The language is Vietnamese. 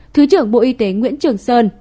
thứ trưởng bộ y tế nguyễn trường sơn